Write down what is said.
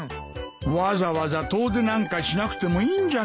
わざわざ遠出なんかしなくてもいいんじゃないか？